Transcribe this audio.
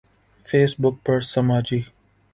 face بک پر سماجی